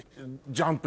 ジャンプ！